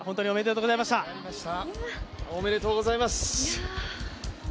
おめでとうございます。